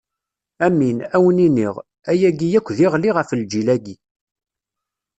Amin, ad wen-iniɣ: ayagi akk ad d-iɣli ɣef lǧil-agi.